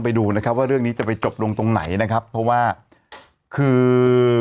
ไปดูนะครับว่าเรื่องนี้จะไปจบลงตรงไหนนะครับเพราะว่าคือ